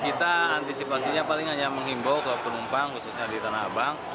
kita antisipasinya paling hanya menghimbau ke penumpang khususnya di tanah abang